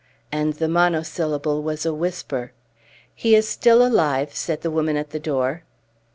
And the monosyllable was a whisper. "He is still alive," said the woman at the door.